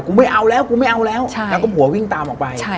กูไม่เอาแล้วแล้วก็ผัววิ่งตามออกไป